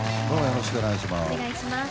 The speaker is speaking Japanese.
よろしくお願いします。